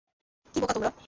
কী বোকা তোমরা!